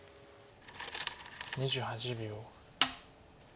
２８秒。